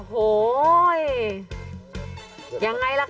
โอ้โหยังไงล่ะคะ